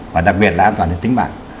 và đặc biệt là an toàn đến tính mạng